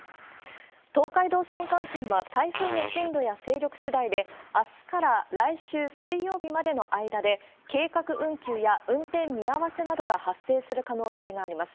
東海道新幹線は、台風の進路や勢力しだいで、あすから来週水曜日までの間で、計画運休や運転見合わせなどが発生する可能性があります。